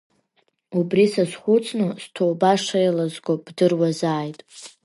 Убри сазхәыцны сҭоуба шеилазго бдыруазааит.